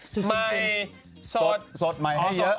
สดสดใหม่ให้เยอะ